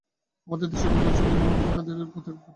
আমার দেশবাসিগণ আমার কাজের এরূপ তারিফ করায় খুব খুশী হলাম।